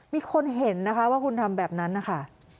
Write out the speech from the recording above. มีคนเห็นว่าคุณทำแบบนั้นค่ะ